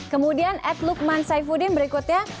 kemudian at lukman saifuddin berikutnya